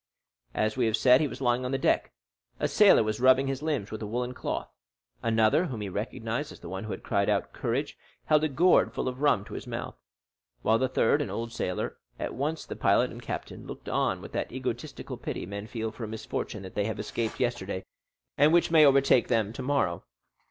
As we have said, he was lying on the deck. A sailor was rubbing his limbs with a woollen cloth; another, whom he recognized as the one who had cried out "Courage!" held a gourd full of rum to his mouth; while the third, an old sailor, at once the pilot and captain, looked on with that egotistical pity men feel for a misfortune that they have escaped yesterday, and which may overtake them tomorrow.